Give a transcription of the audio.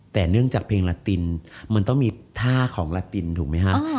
แต่เนื่องจากเพลงไลธินมันจะมีท่าของไลธินถูกไหมครับ